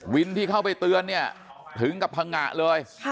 ที่เข้าไปเตือนเนี่ยถึงกับพังงะเลย